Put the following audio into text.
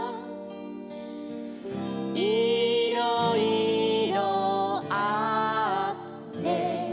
「いろいろあって」